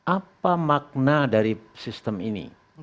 apa makna dari sistem ini